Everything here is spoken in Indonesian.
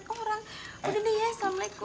udah deh ya assalamualaikum